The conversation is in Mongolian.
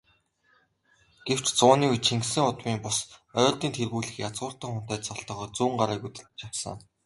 Гэвч, зууны үед Чингисийн удмын бус, Ойрдын тэргүүлэх язгууртан хунтайж цолтойгоор Зүүнгарыг удирдаж асан.